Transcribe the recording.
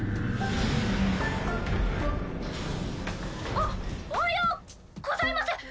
おおはようございます。